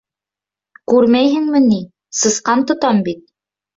— Күрмәйһеңме ни, сысҡан тотам бит.